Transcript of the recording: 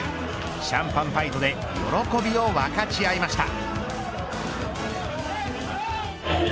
シャンパンファイトで喜びを分かち合いました。